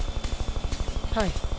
はい。